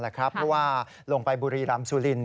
เพราะว่าลงไปบุรีรำสุลิน